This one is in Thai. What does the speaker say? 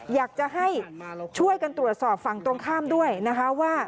อยากจะให้ช่วยกันตรวจสอบฝั่งตรงข้ามด้วยนะคะว่า